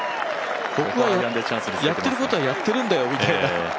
僕はやってることはやってるんだよみたいな。